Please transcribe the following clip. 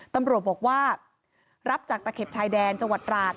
ตำรวจบอกว่ารับจากตะเข็บชายแดนจังหวัดราช